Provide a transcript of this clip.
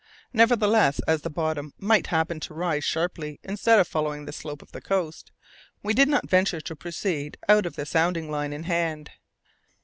Nevertheless, as the bottom might happen to rise sharply instead of following the slope of the coast, we did not venture to proceed without the sounding line in hand.